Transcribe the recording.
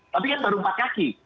tapi kan baru empat kaki